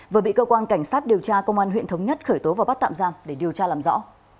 vừa bị cơ quan cảnh sát điều tra công an huyện thống nhất khởi tố và bắt tạm giam để điều tra làm rõ